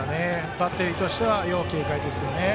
バッテリーとしては要警戒ですよね。